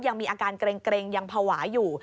ยังมีอาการเกร็งยังภาวะอยู่